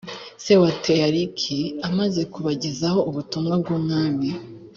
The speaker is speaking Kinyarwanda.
se wa teariki amaze kubagezaho ubutumwa bw ubwami